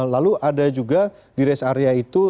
lalu ada juga di rest area itu